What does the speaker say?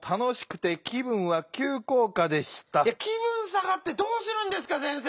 きぶん下がってどうするんですか⁉先生。